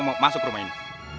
mau masuk rumah ini